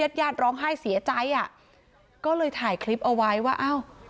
ญาติร้องไห้เสียใจอ่ะก็เลยถ่ายคลิปเอาไว้ว่าอ้าว